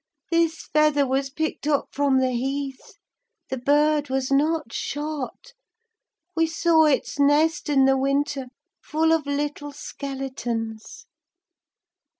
This feather was picked up from the heath, the bird was not shot: we saw its nest in the winter, full of little skeletons.